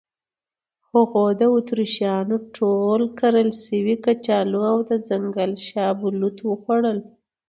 هغوی د اتریشیانو ټول کرل شوي کچالو او د ځنګل شاه بلوط وخوړل.